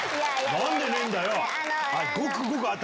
何でねえんだよ